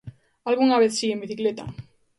Algunha vez si, en bicicleta.